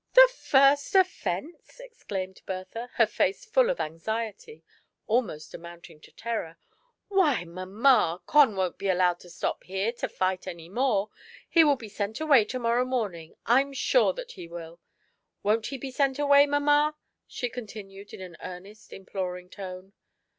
"The first offence 1" exclaimed Bertha, her face full of anxiety almost amounting to terror; " why, mamma, Con won*t be allowed to stop here to fight any more — ^he will be sent away to morrow morning, I'm sure that he will; won't he be sent away, mamma?" she continued, in an earnest, imploring tone.